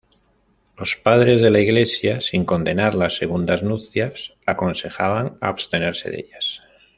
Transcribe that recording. Los Padres de la Iglesia, sin condenar las segundas nupcias, aconsejaban abstenerse de ellas.